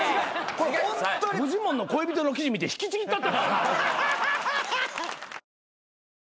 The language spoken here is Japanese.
フジモンの恋人の記事見て引きちぎったった。